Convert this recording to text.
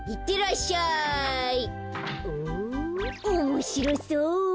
おもしろそう！